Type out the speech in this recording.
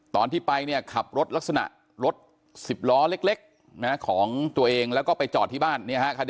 ตอนที่ไปเนี่ยขับรถลักษณะรถ๑๐ล้อเล็กของตัวเองแล้วก็ไปจอดที่บ้าน